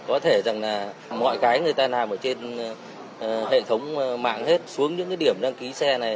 có thể rằng là mọi cái người ta nằm ở trên hệ thống mạng hết xuống những cái điểm đăng ký xe này